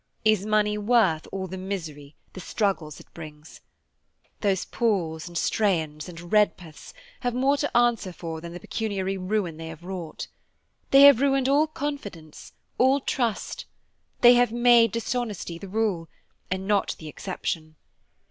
Is money worth all the misery, the struggles it brings? Those Pauls, and Strahans, and Redpaths, have more to answer for than the pecuniary ruin they have wrought. They have ruined all confidence, all trust; they have made dishonesty the rule, and not the exception.